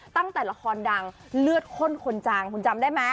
ตั้งแต่ละครดังเลือดข้นคนจางคุณจำได้ไหม